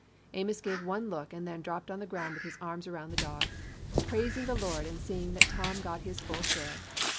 Amos gave one look and then dropped on the ground with his arms around the dog, praising the Lord and seeing that Tom got his full share.